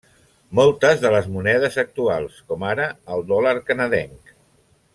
Moltes de les monedes actuals, com ara el dòlar canadenc.